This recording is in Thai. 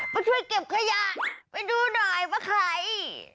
มาช่วยเก็บขยะไปดูหน่อยป่ะไข่